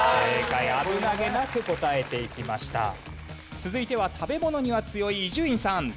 続いては食べ物には強い伊集院さん。